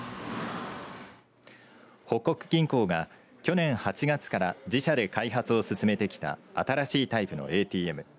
北國銀行が去年８月から自社で開発を進めてきた新しいタイプのＡＴＭ。